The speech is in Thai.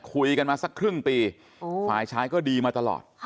คุยกันมาสักครึ่งปีฝ่ายชายก็ดีมาตลอด